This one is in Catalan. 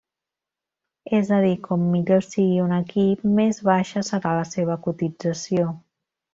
És a dir, com millor sigui un equip, més baixa serà la seva cotització.